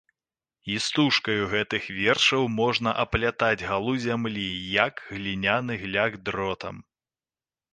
Істужкаю гэтых вершаў можна аплятаць галу зямлі, як гліняны гляк дротам.